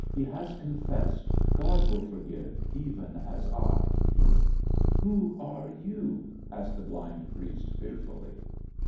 "He has confessed. God will forgive, even as I." "Who are you?" asked the blind priest, fearfully.